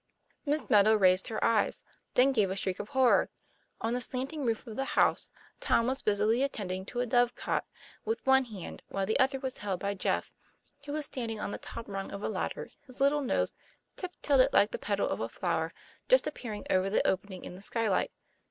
Miss Meadow raised her eyes, then gave a shriek of horror; on the slanting roof of the house Tom was busily attending to a dove cot with one hand, while the other was held by Jeff, who was standing on the top rung of a ladder, his little nose, " tip tilted like the petal of a flower," just appearing over the opening in the skylight.